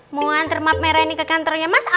mau nganter map merah ini ke kantornya mas